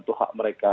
itu hak mereka